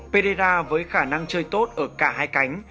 pedra với khả năng chơi tốt ở cả hai cánh